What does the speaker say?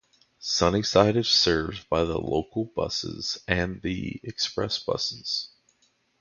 Sunnyside is served by the local buses and the express buses.